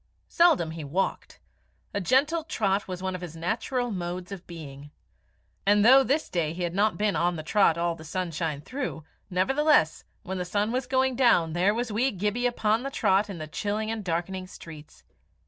Seldom he walked. A gentle trot was one of his natural modes of being. And though this day he had been on the trot all the sunshine through, nevertheless, when the sun was going down there was wee Gibbie upon the trot in the chilling and darkening streets.